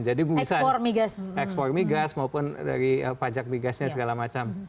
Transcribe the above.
jadi x empat migas maupun dari pajak migasnya segala macam